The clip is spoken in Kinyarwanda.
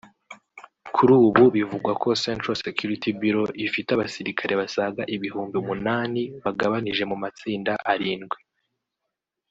Kuri ubu bivugwa ko Central Security Bureau ifite abasirikare basaga ibihumbi umunani bagabanije mu matsinda arindwi